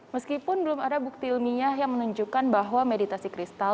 meskipun belum ada bukti ilmiah yang menunjukkan bahwa meditasi kristal